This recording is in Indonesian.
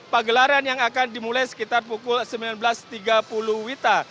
pagelaran yang akan dimulai sekitar pukul sembilan belas tiga puluh wita